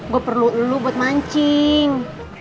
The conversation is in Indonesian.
gue perlu lu buat mancing